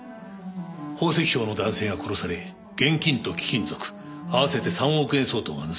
宝石商の男性が殺され現金と貴金属合わせて３億円相当が盗まれました。